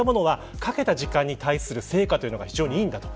かけた時間に対する成果がいいんだ。